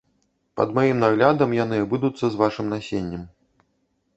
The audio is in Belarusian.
Пад маім наглядам яны абыдуцца з вашым насеннем.